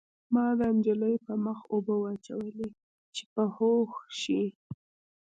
ما د نجلۍ په مخ اوبه واچولې چې په هوښ شي